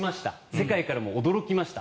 世界からも驚きました。